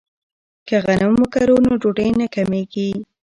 که غنم وکرو نو ډوډۍ نه کمیږي.